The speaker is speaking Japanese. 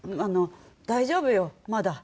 大丈夫よまだ。